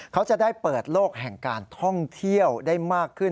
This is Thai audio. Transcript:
เขาจะได้เปิดโลกแห่งการท่องเที่ยวได้มากขึ้น